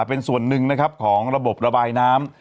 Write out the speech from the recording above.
เป็นส่วนหนึ่งนะครับของระบบระบายน้ำ